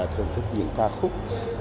thưởng thức những ca khúc